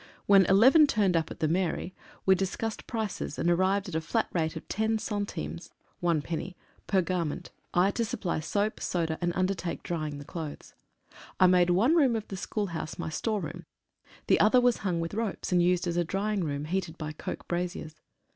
When eleven turned up at the Mairie, we discussed prices, and arrived at a flat rate of ten centimes (one 43 EXPERIENCES AND EXPERIMENTS. penny) per garment, I to supply soap, soda, and under take drying the clothes. I made one room of the school house my storeroom, the other was hung with ropes, and used as a drying room, heated by coke braziers.